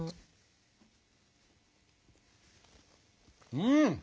うん！